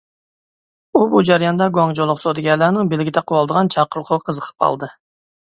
ئۇ بۇ جەرياندا گۇاڭجۇلۇق سودىگەرلەرنىڭ بېلىگە تاقىۋالىدىغان چاقىرغۇغا قىزىقىپ قالدى.